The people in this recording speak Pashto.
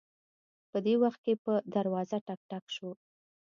په دې وخت کې په دروازه ټک ټک شو